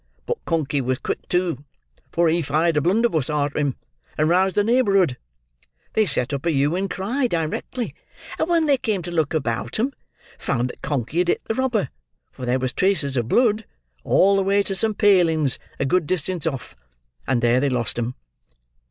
But Conkey was quick, too; for he fired a blunderbuss arter him, and roused the neighbourhood. They set up a hue and cry, directly, and when they came to look about 'em, found that Conkey had hit the robber; for there was traces of blood, all the way to some palings a good distance off; and there they lost 'em.